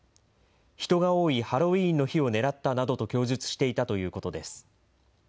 人が多いハロウィーンの日を狙ったなどと供述していたということです。